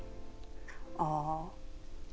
ああ。